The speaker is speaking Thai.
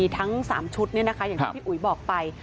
ทั้ง๓ชุดอย่างที่พี่อุ๋ยบอกไป